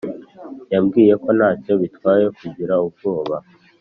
yambwiye ko ntacyo bitwaye kugira ubwoba